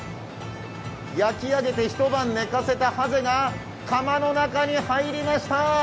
焼き上げて一晩寝かせたはぜが釜の中に入りました。